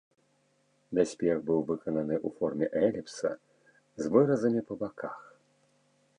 Даспех быў выкананы ў форме эліпса з выразамі па баках.